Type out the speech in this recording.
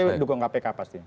saya dukung kpk pasti